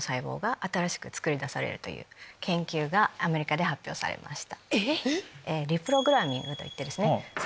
アメリカで発表されました。